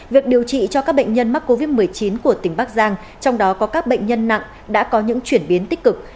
việc điều trị cho các bệnh nhân mắc covid một mươi chín của tỉnh bắc giang trong đó có các bệnh nhân nặng đã có những chuyển biến tích cực